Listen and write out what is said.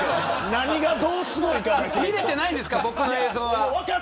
何がどうすごいか。